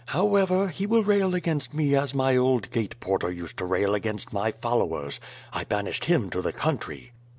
However, he will rail against me as my old gate porter used to rail against my followers — I banished him to the country."